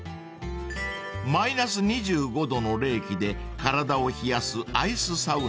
［マイナス２５℃の冷気で体を冷やす］